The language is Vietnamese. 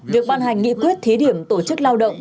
việc ban hành nghị quyết thí điểm tổ chức lao động